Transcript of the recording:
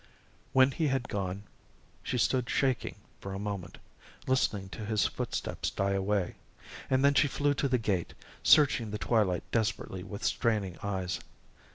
When he had gone, she stood shaking for a moment, listening to his footsteps die away, and then she flew to the gate, searching the twilight desperately with straining eyes.